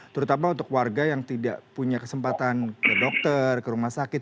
terutama untuk warga yang tidak punya kesempatan ke dokter ke rumah sakit